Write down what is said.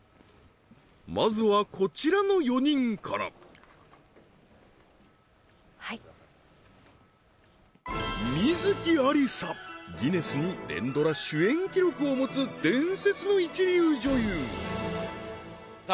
まずはこちらの４人からはい観月ありさギネスに連ドラ主演記録を持つ伝説の一流女優さあ